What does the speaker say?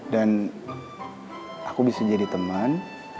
dan aku bisa jadi teman